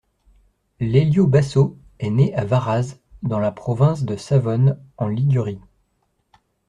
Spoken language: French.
Lelio Basso est né à Varazze, dans la province de Savone, en Ligurie.